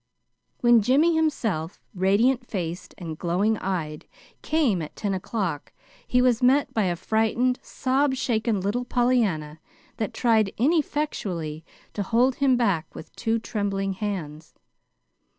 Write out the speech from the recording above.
When Jimmy himself, radiant faced and glowing eyed, came at ten o'clock, he was met by a frightened, sob shaken little Pollyanna that tried ineffectually to hold him back with two trembling hands.